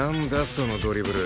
そのドリブル。